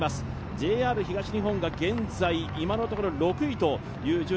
ＪＲ東日本が現在、今のところ６位という順位。